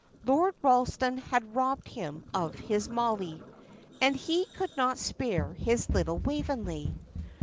Lord Ralston had robbed him of his Mollie, and he could not spare his little Waveney.